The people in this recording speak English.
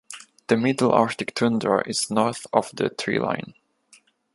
The middle arctic tundra is north of the treeline.